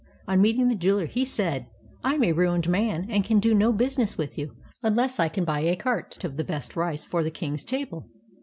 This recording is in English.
On meeting the jeweler he said: ''I am a ruined man and can do no busi ness with you unless I can buy a cart of the best rice for the king's table.